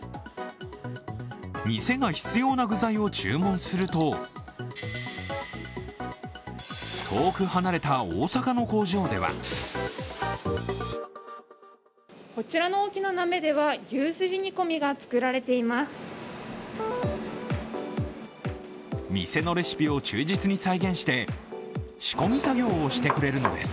店が必要な具材を注文すると遠く離れた大阪の工場ではこちらの大きな鍋では牛すじ煮込みが作られています。